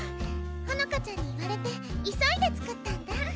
穂乃果ちゃんに言われて急いで作ったんだ。